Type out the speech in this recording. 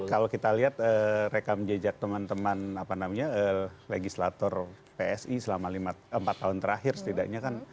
kalau kita lihat rekam jejak teman teman legislator psi selama empat tahun terakhir setidaknya kan